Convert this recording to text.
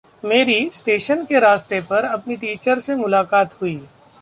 मेरी स्टेशन के रास्ते पर अपनी टीचर से मुलाकात हुई।